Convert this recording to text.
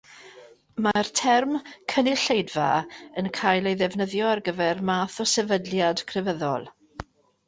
Mae'r term “cynulleidfa” yn cael ei ddefnyddio ar gyfer math o sefydliad crefyddol.